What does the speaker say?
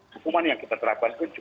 termasuk para pelaku pelaku yang lain